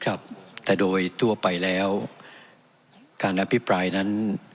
ครับแต่โดยทั่วไปแล้วการอภิปรายนั้น